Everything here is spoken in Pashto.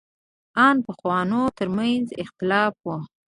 ان پخوانو تر منځ اختلاف و.